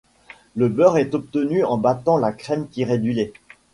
Le beurre est obtenu en battant la crème tirée du lait.